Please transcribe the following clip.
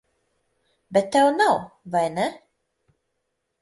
Bet tev nav, vai ne?